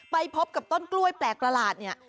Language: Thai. ไปพบกับต้นกล้วยแปลกประหลาดเนี่ย